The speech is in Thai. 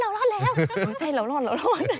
เออใช่แล้วรอด